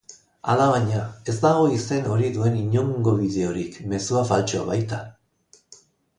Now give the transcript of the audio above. Alabaina, ez dago izen hori duen inongo bideorik, mezua faltsua baita.